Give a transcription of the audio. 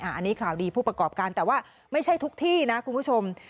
อันนี้ข่าวดีผู้ประกอบการแต่ว่าไม่ใช่ทุกที่นะคุณผู้ชม